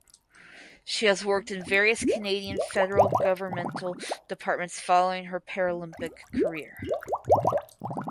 She has worked in various Canadian federal governmental departments following her Paralympic career.